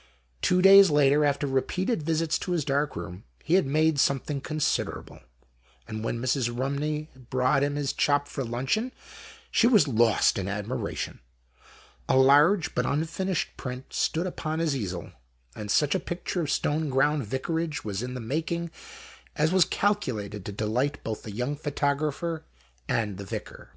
anOST TALES. Two days later, after repeated visits to his dark room, he had made something consider able ; and when Mrs. Rumney brought him his chop for luncheon, she was lost in admir ation. A large but unfinished print stood upon his easel, and such a picture of Stoneground Vicarage was in the making as was calculated to delight both the young photographer and the Vicar. Mr.